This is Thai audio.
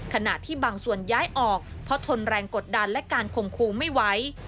ขณะที่บางส่วนย้ายออกเพราะทนแรงกดดันและการคมครูไม่ไหว